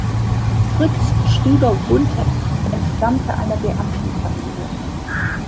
Fritz Stüber-Gunther entstammte einer Beamtenfamilie.